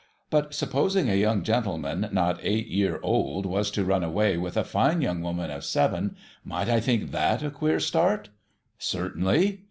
But supposing a young gentleman not eight year old was to run away with a fine young woman of seven, might I think f/iat a queer start? Certainly.